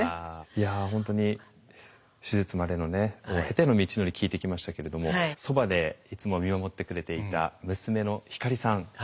いや本当に手術までのね経ての道のり聞いてきましたけれどもそばでいつも見守ってくれていた娘のひかりさん